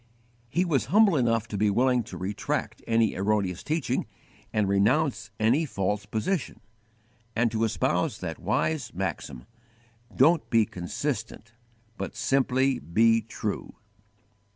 _ He was humble enough to be willing to retract any erroneous teaching and renounce any false position, and to espouse that wise maxim: "Don't be consistent, but simply be _true!"